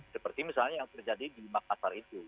seperti misalnya yang terjadi di makassar itu